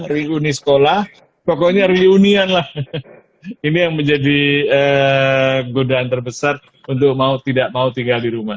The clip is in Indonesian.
reuni sekolah pokoknya reunian lah ini yang menjadi godaan terbesar untuk mau tidak mau tinggal di rumah